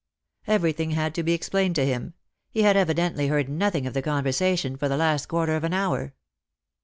" Everything had to be explained to him. He had evidently heard nothing of the conversation for the last quarter of an hour.